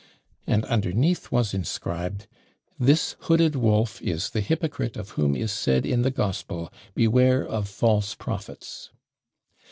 And underneath was inscribed "This hooded wolf is the hypocrite of whom is said in the Gospel, 'Beware of false prophets!'"